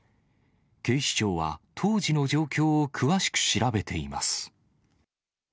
警視庁は当時の状況を詳しく調べています。